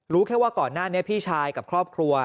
แค่ว่าก่อนหน้านี้พี่ชายกับครอบครัว